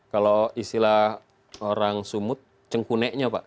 kalau istilah orang sumut cengkunenya pak